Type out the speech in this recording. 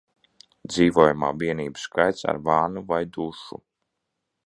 Dzīvojamo vienību skaits ar vannu vai dušu